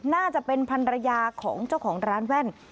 น่าจะเป็นพันรยาของเจ้าของร้านแว่น